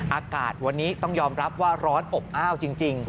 อากาศวันนี้ต้องยอมรับว่าร้อนอบอ้าวจริง